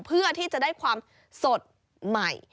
เพื่อที่จะได้ความสดใหม่